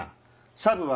サブは。